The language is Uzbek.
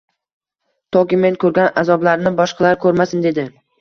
Toki men ko`rgan azoblarni boshqalar ko`rmasin, dedi